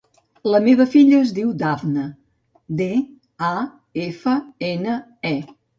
La meva filla es diu Dafne: de, a, efa, ena, e.